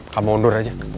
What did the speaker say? kamu undur aja